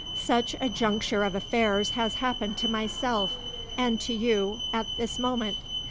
Such a juncture of affairs has happened to myself and to you at this moment.